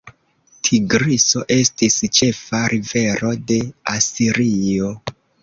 Tigriso estis ĉefa rivero de Asirio.